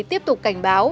tiếp tục cảnh báo